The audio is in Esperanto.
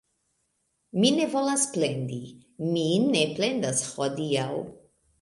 Mi ne volas plendi... Mi ne plendas hodiaŭ